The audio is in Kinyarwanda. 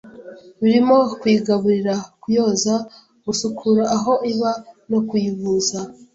birimo kuyigaburira, kuyoza, gusukura aho iba no kuyivuza